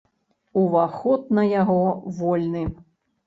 Уваход на яго вольны.